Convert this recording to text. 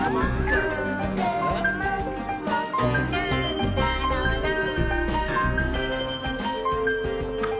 「もーくもくもくなんだろなぁ」